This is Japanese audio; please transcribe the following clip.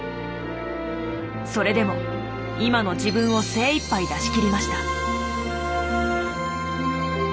それでも今の自分を精いっぱい出しきりました。